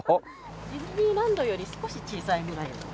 ディズニーランドより少し小さいぐらいです。